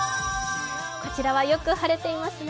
こちらはよく晴れていますね。